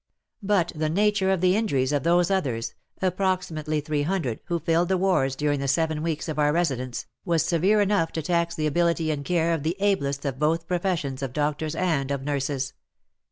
But the nature of the injuries of those others — approximately 300, who filled the wards during the seven weeks of our residence, was severe enough to tax the ability and care of the ablest of both professions of doctors and of nurses.